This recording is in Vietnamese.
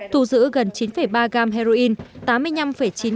thù giữ gần chín ba gam heroin